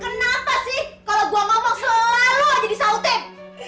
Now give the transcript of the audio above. kenapa sih kalo gua ngomong selalu aja disautin